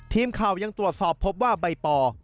ทีมข่าวยังตรวจสอบพบว่าใบปอ